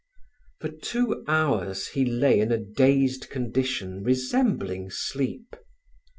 For two hours he lay in a dazed condition resembling sleep.